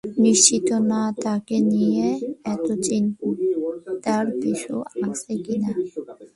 নিশ্চিত না তাকে নিয়ে এতো চিন্তার কিছু আছে কিনা।